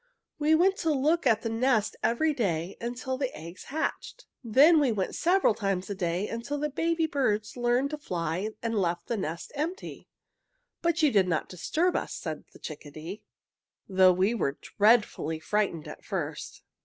We went to look at the nest every day until the eggs hatched. Then we went several times a day until the baby birds learned to fly and left the nest empty. "But you did not disturb us," said the chickadee, "though we were dreadfully frightened at first."